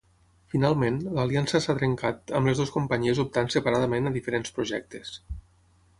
Finalment, l'aliança s'ha trencat, amb les dues companyies optant separadament a diferents projectes.